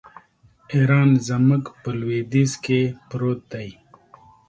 ایران زموږ په لوېدیځ کې پروت دی.